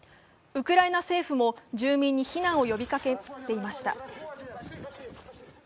ウクライナ政府も住民に避難を呼びかけていました。